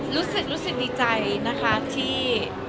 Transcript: รู้สึกรู้สึกดีใจนะคะที่